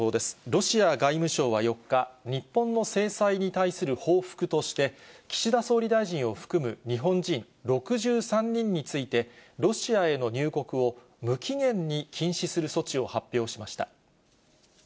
ロシア外務省は４日、日本の制裁に対する報復として、岸田総理大臣を含む日本人６３人について、ロシアへの入国を無期限に禁止する措置を発表しました。